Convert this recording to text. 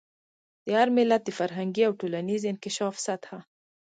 د هر ملت د فرهنګي او ټولنیز انکشاف سطح.